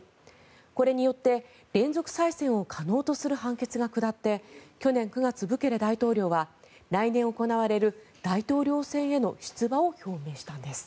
これによって連続再選を可能とする判決が下って去年９月、ブケレ大統領は来年行われる大統領選への出馬を表明したんです。